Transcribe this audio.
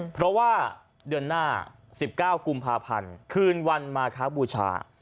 เพราะว่าเดือนหน้า๑๙กุมภาพันธ์คืนวันมาคบูชา